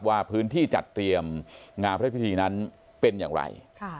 ว่าพื้นที่จัดเตรียมงานพระพิธีนั้นเป็นอย่างไร